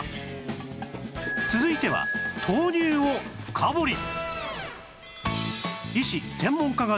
続いては豆乳を深掘り